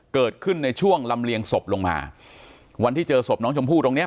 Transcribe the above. เกิดขึ้นในช่วงลำเลียงศพลงมาวันที่เจอศพน้องชมพู่ตรงเนี้ย